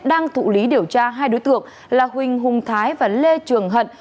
đang thụ lý điều tra hai đối tượng là huỳnh hùng thái và lê trường hận